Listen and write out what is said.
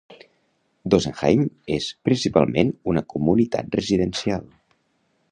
Dossenheim és principalment una comunitat residencial.